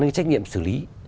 đến trách nhiệm xử lý